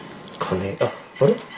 あれ？